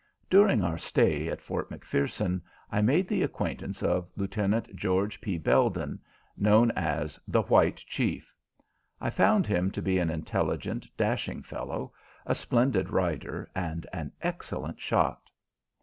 During our stay at Fort McPherson I made the acquaintance of Lieutenant George P. Belden, known as the "White Chief." I found him to be an intelligent, dashing fellow, a splendid rider, and an excellent shot.